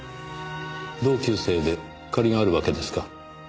同級生で借りがあるわけですか？